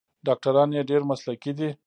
ډاکټران یې ډیر مسلکي دي.